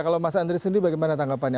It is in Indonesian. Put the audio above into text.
kalau mas andri sendiri bagaimana tanggapannya